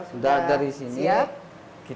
sudah dari sini